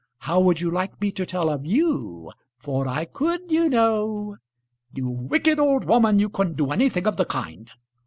How would you like me to tell of you; for I could, you know?" "You wicked old woman, you couldn't do anything of the kind."